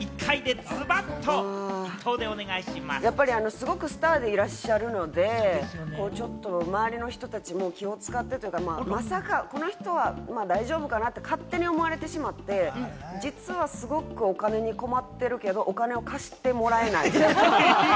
すごくスターでいらっしゃるので、もうちょっと周りの人たちも気を使ってというか、まさかこの人は大丈夫かな？って勝手に思われてしまって、実は、すごくお金に困ってるけれども、お金を貸してもらえない。